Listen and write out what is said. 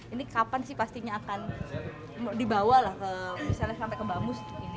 ini kapan sih pastinya akan dibawa lah ke misalnya sampai ke bamus ini